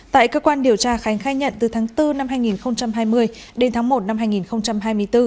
tại cơ quan điều tra khánh khai nhận từ tháng bốn năm hai nghìn hai mươi đến tháng một năm hai nghìn hai mươi bốn